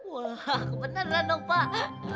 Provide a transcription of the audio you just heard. wah kebeneran dong pak